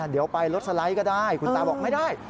เดี๋ยวไปรถสไลด์ก็ได้คุณตาบอกไม่ได้